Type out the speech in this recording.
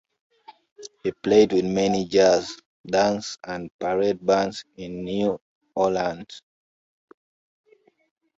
He played with many jazz, dance, and parade bands in New Orleans.